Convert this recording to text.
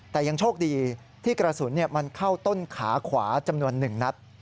แต่ยังโชคดีที่กระสุนมันเข้าต้นขาขวาจำนวน๑นัด